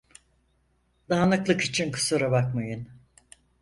Dağınıklık için kusura bakmayın.